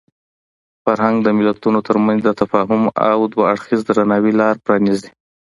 فرهنګ د ملتونو ترمنځ د تفاهم او دوه اړخیز درناوي لاره پرانیزي.